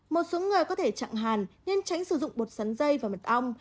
một số người có thể chặn hàn nên tránh sử dụng bột sắn dây và mật ong